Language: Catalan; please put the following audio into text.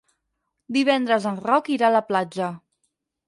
Divendres en Roc irà a la platja.